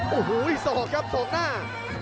โอ้โหสอกครับสอกหน้า